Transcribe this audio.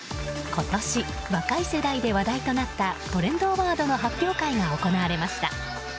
今年若い世代で話題となったトレンドアワードの発表会が行われました。